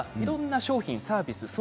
どんな商品、サービス